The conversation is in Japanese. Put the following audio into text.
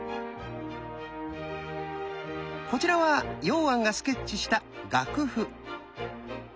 こちらは榕菴がスケッチした楽譜。